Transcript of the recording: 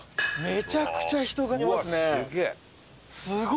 めちゃくちゃ人がいますね。